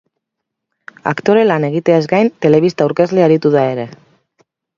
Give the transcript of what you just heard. Aktore lan egiteaz gain, telebista aurkezle aritu da ere.